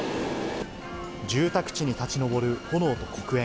住宅地に立ち上る炎と黒煙。